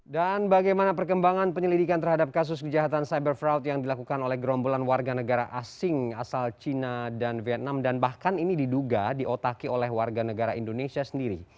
bagaimana perkembangan penyelidikan terhadap kasus kejahatan cyber fraud yang dilakukan oleh gerombolan warga negara asing asal cina dan vietnam dan bahkan ini diduga diotaki oleh warga negara indonesia sendiri